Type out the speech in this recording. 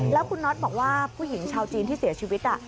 แล้วคุณน็อตบอกว่าผู้หญิงชาวจีนที่เสียชีวิต